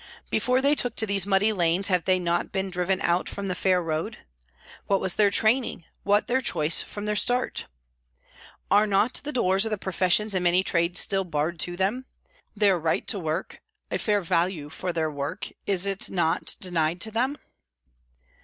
Before they took to these muddy lanes have they not been driven out from the fair road ? What was their training, what their choice from the start ? Are not the doors of the professions and many trades still barred to them ? Their right to work, a fair value for their work is it not denied to them